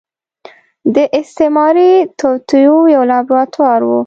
د استعماري توطيو يو لابراتوار و.